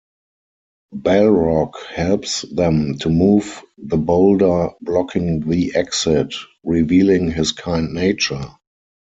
Balrog helps them to move the boulder blocking the exit, revealing his kind nature.